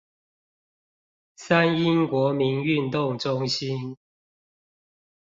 三鶯國民運動中心